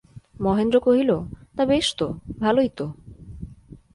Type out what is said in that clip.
মহেন্দ্র কহিল, তা বেশ তো, ভালোই তো।